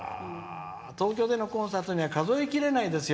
東京でのコンサートには数え切れないですよ。